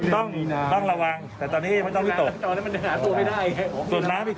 ต้องระวังแต่ตอนนี้ไม่ต้องไปตก